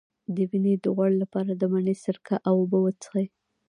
د وینې د غوړ لپاره د مڼې سرکه او اوبه وڅښئ